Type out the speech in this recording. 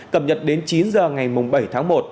cập nhật đến chín h ngày bảy tháng một